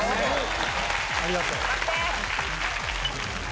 ありがとう。